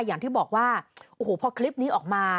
อย่างที่บอกว่าโอ้โหพอคลิปนี้ออกมา